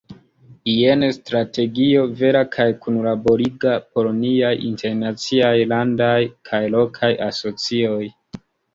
Jen strategio, vera kaj kunlaboriga, por niaj internaciaj, landaj kaj lokaj asocioj.